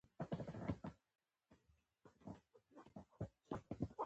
د صبر ګاڼه د مؤمن ښکلا ده.